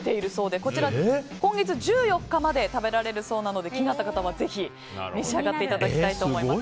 こちら、今月１４日まで食べられるそうなので気になった方はぜひ召し上がっていただきたいと思います。